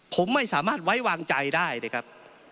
ผมไม่สามารถไว้วางใจได้นะครับ